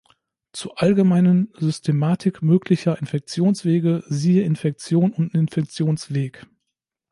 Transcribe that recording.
Zur allgemeinen Systematik möglicher Infektionswege siehe Infektion und Infektionsweg.